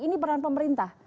ini peran pemerintah